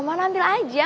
udah roman ambil aja